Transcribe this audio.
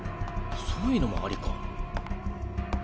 そういうのもありか。